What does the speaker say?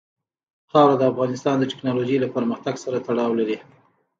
خاوره د افغانستان د تکنالوژۍ له پرمختګ سره تړاو لري.